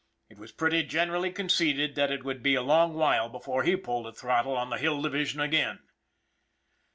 It was pretty generally conceded that it would be a long while before he pulled a throttle on the Hill Division again.